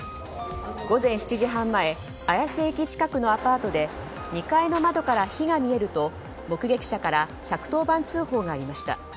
午前７時半前綾瀬駅近くのアパートで２階の窓から火が見えると目撃者から１１０番通報がありました。